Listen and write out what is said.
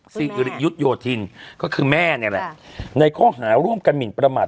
สิริยุทธโยธินก็คือแม่นี่แหละในข้อหาร่วมกันหมินประมาท